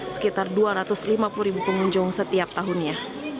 sekitar dua ratus lima puluh ribu pengunjung setiap tahunnya